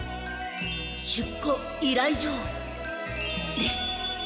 出庫依頼状。です。